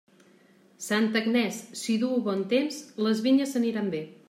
Santa Agnès si duu bon temps, les vinyes aniran bé.